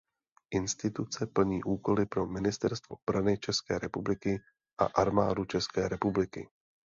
Instituce plní úkoly pro Ministerstvo obrany České republiky a Armádu České republiky.